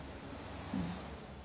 うん。